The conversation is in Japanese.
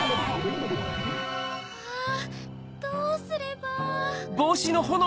・あぁどうすれば。